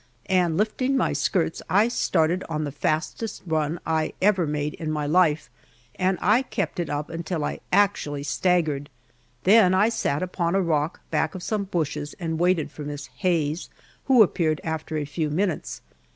and lifting my skirts, I started on the fastest run I ever made in my life, and I kept it up until I actually staggered. Then I sat upon a rock back of some bushes and waited for Miss Hayes, who appeared after a few minutes.